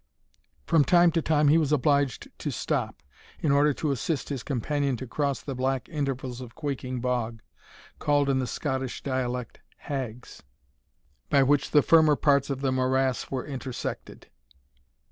From time to time he was obliged to stop, in order to assist his companion to cross the black intervals of quaking bog, called in the Scottish dialect hags, by which the firmer parts of the morass were intersected.